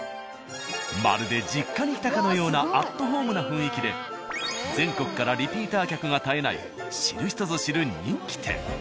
まるで実家に来たかのようなアットホームな雰囲気で全国からリピーター客が絶えない知る人ぞ知る人気店。